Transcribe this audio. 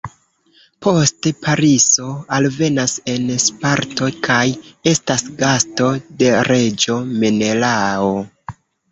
Poste Pariso alvenas en Sparto kaj estas gasto de reĝo Menelao.